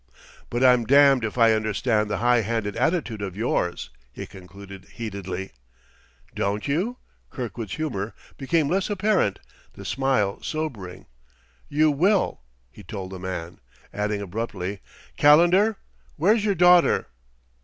"But I'm damned if I understand this high handed attitude of yours!" he concluded heatedly. "Don't you?" Kirkwood's humor became less apparent, the smile sobering. "You will," he told the man, adding abruptly: "Calendar, where's your daughter?"